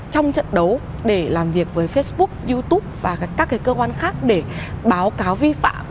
trong trận đấu để làm việc với facebook youtube và các cơ quan khác để báo cáo vi phạm